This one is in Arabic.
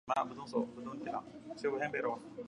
طوفى يا روح بالوادي الأمين